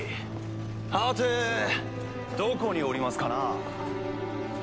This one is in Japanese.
はてどこにおりますかな？